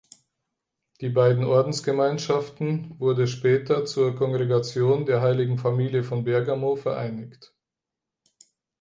Die beiden Ordensgemeinschaften wurde später zur Kongregation der Heiligen Familie von Bergamo vereinigt.